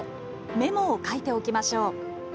メモを書いておきましょう。